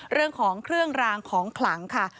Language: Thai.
เรื่องของเครื่องรางของขลังค่ะ